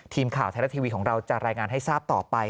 ทีมข่าวไทยรัฐทีวีของเราจะรายงานให้ทราบต่อไป